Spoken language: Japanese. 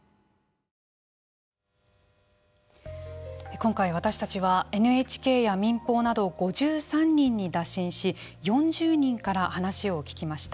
今回私たちはＮＨＫや民放など５３人に打診し４０人から話を聞きました。